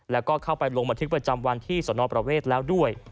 แล้วก็เข้าไปลงบันทึกประจำวันที่สนประเวทแล้วด้วย